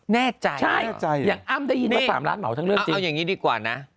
แน่ใจอย่างอ้ามท้ายินดินสุดประมาทหมอทั้งเลือกเอาอย่างงี้ดีกว่านะ